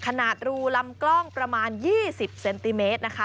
รูลำกล้องประมาณ๒๐เซนติเมตรนะคะ